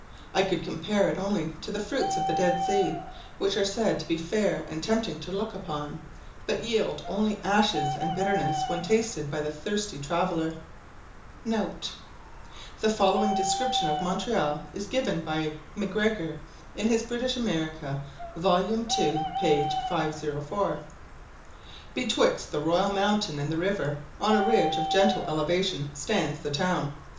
I could compare it only to the fruits of the Dead sea, which are said to be fair and tempting to look upon, but yield only ashes and bitterness when tasted by the thirsty traveller. ..........[ The following description of Montreal is given by M'Gregor in his British America, vol. ii. p. 504: "Betwixt the royal mountain and the river, on a ridge of gentle elevation, stands the town.